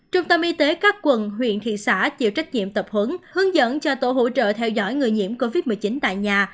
trung tâm y tế các quận huyện thị xã chịu trách nhiệm tập hướng hướng dẫn cho tổ hỗ trợ theo dõi người nhiễm covid một mươi chín tại nhà